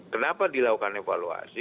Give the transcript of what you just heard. kenapa dilakukan evaluasi